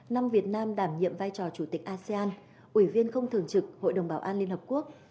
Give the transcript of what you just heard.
nhiệm vai trò chủ tịch asean ủy viên không thường trực hội đồng bảo an liên hợp quốc